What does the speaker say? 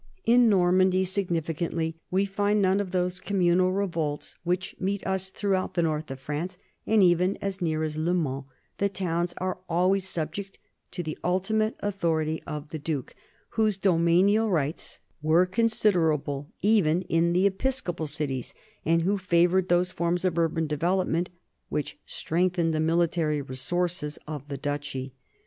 In Normandy, significantly, we find none of those communal revolts which meet us through out the north of France and even as near as LeMans; the towns are always subject to the ultimate authority of the duke, whose domanial rights were considerable even in the episcopal cities and who favored those forms of urban development which strengthened the military resources of the duchy.